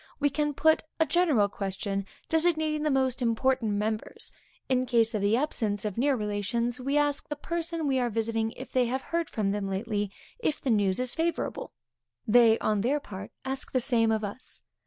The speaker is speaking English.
We can put a general question, designating the most important members. In case of the absence of near relations, we ask the person we are visiting, if they have heard from them lately, if the news is favorable. They, on their part, ask the same of us.